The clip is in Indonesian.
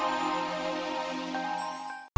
ibu belum terima